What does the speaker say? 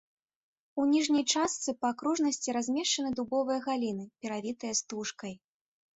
У ніжняй частцы па акружнасці размешчаны дубовыя галіны, перавітыя стужкай.